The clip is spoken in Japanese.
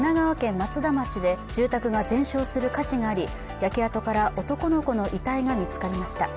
松田町で住宅が全焼する火事があり焼け跡から男の子の遺体が見つかりました。